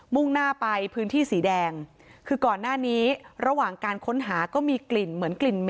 ่งหน้าไปพื้นที่สีแดงคือก่อนหน้านี้ระหว่างการค้นหาก็มีกลิ่นเหมือนกลิ่นเหม